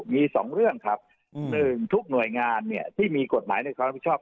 มี๒เรื่องครับ๑ทุกหน่วยงานที่มีกฎหมายในความรับผิดชอบ